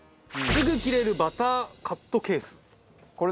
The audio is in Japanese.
すぐ切れるバターカットケース。